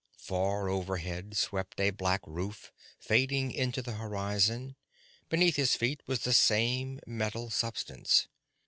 Far overhead swept a black roof fading into the horizon, beneath his feet was the same metal substance.